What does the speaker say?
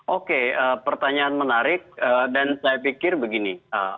oke pertanyaan menarik dan saya pikir begini